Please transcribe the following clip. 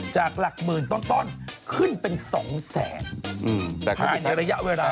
จากหลักหมื่นต้นขึ้นเป็น๒แสนแต่ภายในระยะเวลา